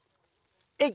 えい！